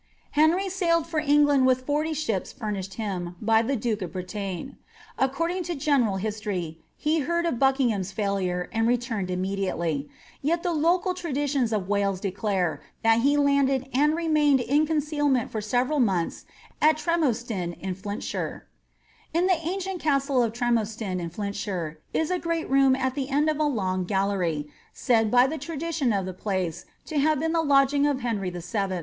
Henry sailed for England with forty ships funished him by the duke of Bretagne. According to general history he heard of Buckingham's failure and returned immediately; yet the local traditions of Wales declare that he landed and remained in con eealment for several months at Tremostyn in Flintshire '^ In the ancient castle of Tremostyn in Flintshire is a great room at the end of a long gallery, said by the tradition of the place to have been the lodging of Henry VII.